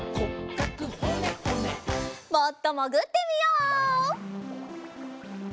もっともぐってみよう。